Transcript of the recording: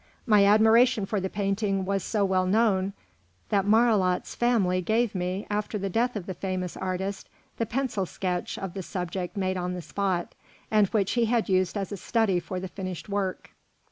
My admiration for the painting was so well known that Marilhat's family gave me, after the death of the famous artist, the pencil sketch of the subject made on the spot, and which he had used as a study for the finished work.